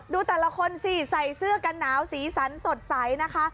ดูแต่ละคนสิใส่เสื้อกันหนาวสีสันสดใสนะคะ